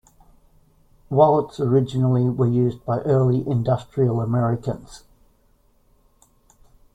Wallets originally were used by early Industrial Americans.